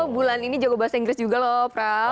bulan ini jago bahasa inggris juga loh prap